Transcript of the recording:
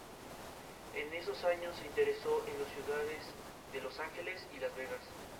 La población de Vinuesa es la más importante de la zona.